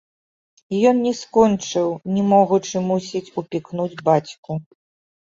Ён не скончыў, не могучы, мусіць, упікнуць бацьку.